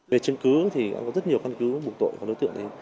về chứng cứ thì có rất nhiều phân cứ bụng tội có đối tượng đấy